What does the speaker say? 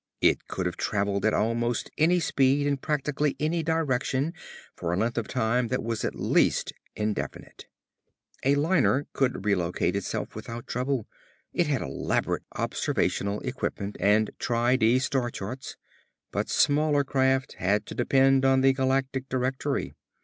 It could have travelled at almost any speed in practically any direction for a length of time that was at least indefinite. A liner could re locate itself without trouble. It had elaborate observational equipment and tri di star charts. But smaller craft had to depend on the Galactic Directory.